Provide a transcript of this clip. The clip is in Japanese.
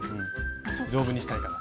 丈夫にしたいから。